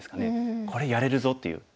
これやれるぞという。